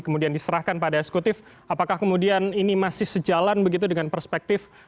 kemudian diserahkan pada eksekutif apakah kemudian ini masih sejalan begitu dengan perspektif